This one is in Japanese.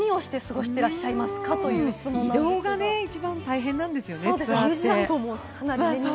移動がね、一番大変なんですよね、ツアーって。